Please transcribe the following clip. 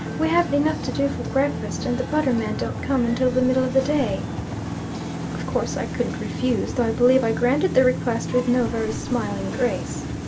We haven't enough to do for breakfast, and the butter man don't come until the middle of the day." Of course, I couldn't refuse, though I believe I granted the request with no very smiling grace.